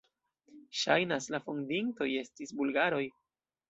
Ŝajnas, la fondintoj estis bulgaroj.